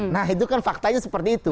nah itu kan faktanya seperti itu